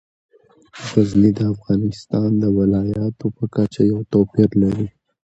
غزني د افغانستان د ولایاتو په کچه یو توپیر لري.